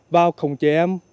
vào khống chế em